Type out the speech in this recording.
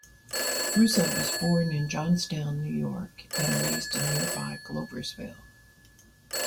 Russo was born in Johnstown, New York, and raised in nearby Gloversville.